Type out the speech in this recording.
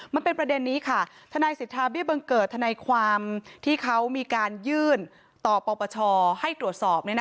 มันเป็นประเด็นนี้ค่ะทนายสิทธาเบี้ยบังเกิดทนายความที่เขามีการยื่นต่อปปชให้ตรวจสอบ